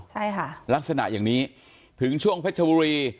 ใช่ค่ะลักษณะอย่างนี้ถึงช่วงเพชรบุรี